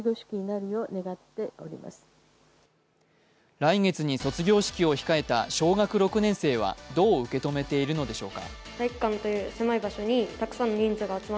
来月に卒業式を控えた小学６年生はどう受け止めているのでしょうか。